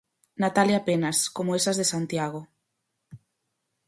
Natalia Penas, como esas de Santiago.